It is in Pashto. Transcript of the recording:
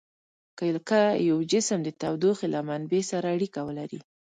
که یو جسم د تودوخې له منبع سره اړیکه ولري.